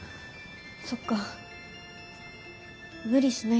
そっか無理しないでね。